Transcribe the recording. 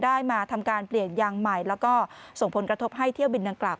มาทำการเปลี่ยนยางใหม่แล้วก็ส่งผลกระทบให้เที่ยวบินดังกล่า